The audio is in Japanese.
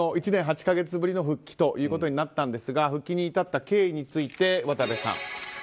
１年８か月ぶりの復帰ということになったんですが復帰に至った経緯について渡部さん。